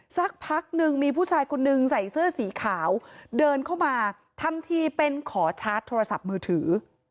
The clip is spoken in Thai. สักพักหนึ่งมีผู้ชายคนนึงใส่เสื้อสีขาวเดินเข้ามาทำทีเป็นขอชาร์จโทรศัพท์มือถือ